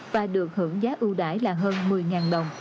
và được hưởng giá ưu đãi là hơn một mươi đồng